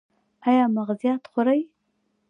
ایا مغزيات خورئ؟